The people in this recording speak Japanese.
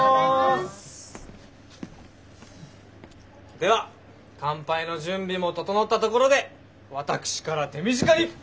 では乾杯の準備も整ったところで私から手短に。